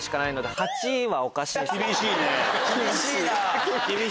厳しいな。